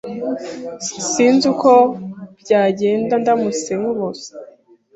S Sinzi uko byagenda ndamutse nkubuze.